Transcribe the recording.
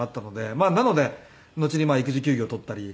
まあなのでのちに育児休業取ったり。